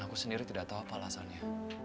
dan aku sendiri tidak tau apa alasannya